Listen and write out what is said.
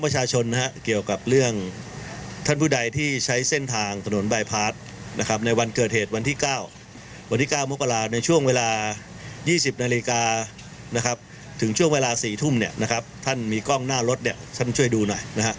จากที่๑๐นาฬิกาถึงช่วงเวลา๔ทุ่มท่านมีกล้องหน้ารถช่วยดูหน่อย